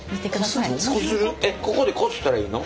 ここでこすったらいいの？